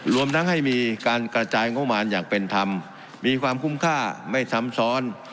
รวมทั้งให้มีการกระจายงบมารอย่างเป็นธรรมมีความคุ้มค่าไม่ซ้ำซ้อน